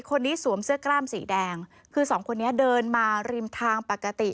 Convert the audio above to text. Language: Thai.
สวมเสื้อกล้ามสีแดงคือสองคนนี้เดินมาริมทางปกติ